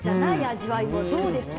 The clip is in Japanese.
味わいはどうですか？